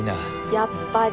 やっぱり！